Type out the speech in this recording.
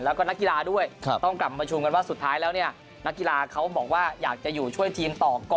แล้วก็นักกีฬาด้วยต้องกลับมาประชุมกันว่าสุดท้ายแล้วเนี่ยนักกีฬาเขาบอกว่าอยากจะอยู่ช่วยทีมต่อก่อน